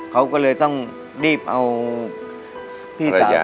เขาก็เลยต้องรีบเอาพี่สาว